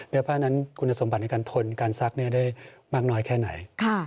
ผ้านั้นคุณสมบัติในการทนการซักได้มากน้อยแค่ไหน